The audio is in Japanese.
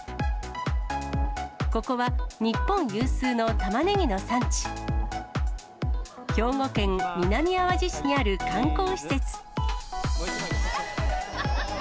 ここは、日本有数のたまねぎの産地、兵庫県南あわじ市にある観光施設。